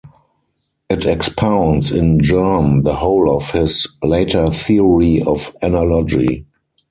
It expounds in germ the whole of his later theory of analogy.